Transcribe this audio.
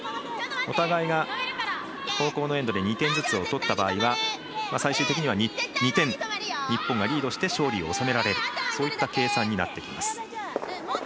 お互いが、後攻のエンドで２点ずつを取った場合は最終的には２点日本がリードして勝利を収められるそういった計算になってきます。